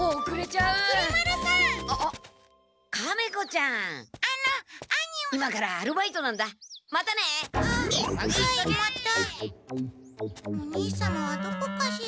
お兄様はどこかしら。